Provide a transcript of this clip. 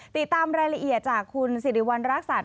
ติดตามรายละเอียดจากคุณสิริวัณรักษัตริย